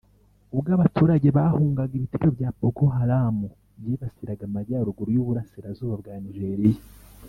ubwo abaturage bahungaga ibitero bya Boko Haram byibasiraga amajyaruguru y’uburasirazuba bwa Nigeria